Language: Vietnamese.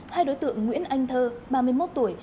hai đối tượng nguyễn anh thơ ba mươi một tuổi